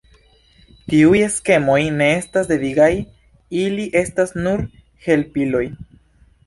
Tiuj skemoj ne estas devigaj, ili estas nur helpiloj.